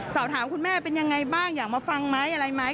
สอบถามคุณแม่เป็นยังไงบ้างอยากมาฟังไหมอะไรไหม